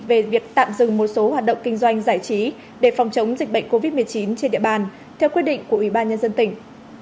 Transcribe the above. về việc tạm dừng một số hoạt động kinh doanh giải trí để phòng chống dịch bệnh covid một mươi chín trên địa bàn theo quyết định của ubnd tỉnh